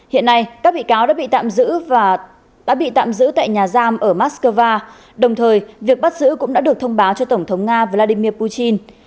hiện nay các bị cáo đã bị tạm giữ tại nhà giam ở moscow đồng thời việc bắt giữ cũng đã được thông báo cho tổng thống nga vladimir putin